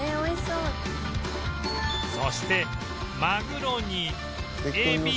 そしてマグロにえび